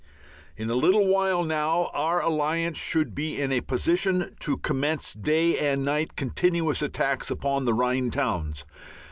In a little while now our alliance should be in a position to commence day and night continuous attacks upon the Rhine towns.